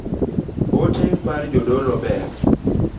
Ote mar jodolo ber